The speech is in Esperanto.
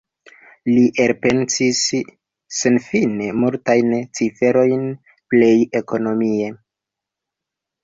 Li elpensis senfine multajn ciferojn plej ekonomie.